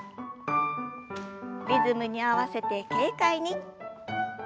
リズムに合わせて軽快に。